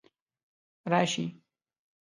راشي